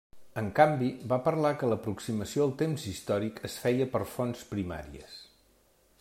En canvi, va parlar que l'aproximació al temps històric es feia per fonts primàries.